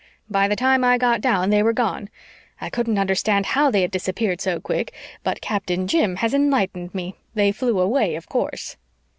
By the time I got down they were gone. I couldn't understand how they had disappeared so quick, but Captain Jim has enlightened me. They flew away, of course."